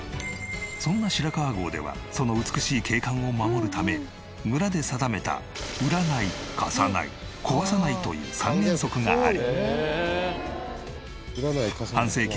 そんな白川郷ではその美しい景観を守るため村で定めた売らない貸さない壊さないという３原則があり。